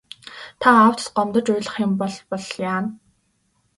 Та аавд гомдож уйлах юм болбол яана.